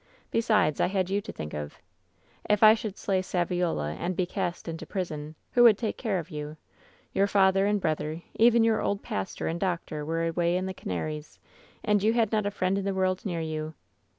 Besides, I had you to think of. If I should slay Saviola and be cast into prison, who would take care of you ? Your father and brother, even your old pastor and doctor, were away in the Canaries, and you had not a friend in the world near you.'